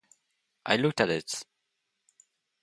I looked at it.